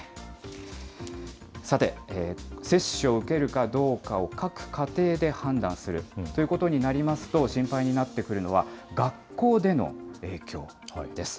さて、接種を受けるかどうかを各家庭で判断するということになりますと、心配になってくるのは、学校での影響です。